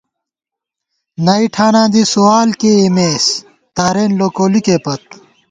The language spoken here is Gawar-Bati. نئ ٹھاناں دی سوال کېئیمېس تارېن لوکولِکے پت